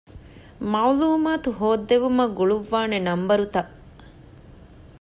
މަޢުލޫމާތު ހޯއްދެވުމަށް ގުޅުއްވާނެ ނަންބަރުތައް.